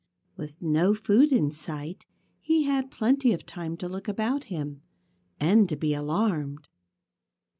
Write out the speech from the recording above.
With no food in sight he had plenty of time to look about him and to be alarmed.